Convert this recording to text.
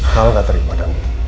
hal gak terima dami